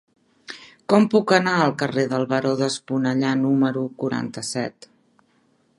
Com puc anar al carrer del Baró d'Esponellà número quaranta-set?